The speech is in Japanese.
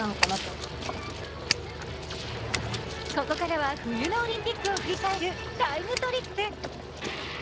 ここからは冬のオリンピックを振り返るタイムトリップ。